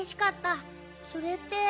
それって。